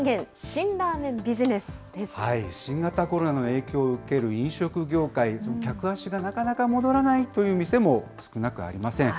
新ラ新型コロナの影響を受ける飲食業界、客足がなかなか戻らないという店も少なくありません。